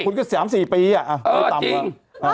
คุณก็สามสี่ปีอะเออจริง